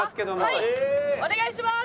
はいお願いします！